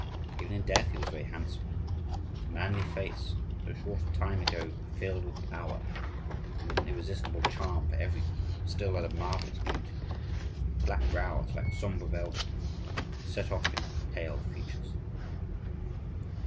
Even in death he was very handsome; his manly face, so short a time ago filled with power, and with an irresistible charm for every woman, still had a marvellous beauty; his black brows, like sombre velvet, set off his pale features.